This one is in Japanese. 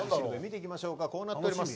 こうなっております。